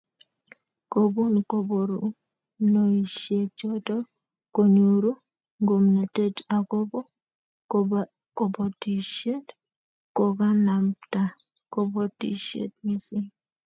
Kobun koborunoisiechoto konyoru ngomnatet agobo kobotisiet kokanabta kobotisiet missing